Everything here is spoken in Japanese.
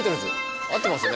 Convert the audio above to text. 合ってますよね？